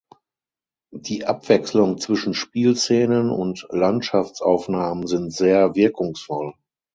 Die Abwechslung zwischen Spielszenen und Landschaftsaufnahmen sind sehr wirkungsvoll.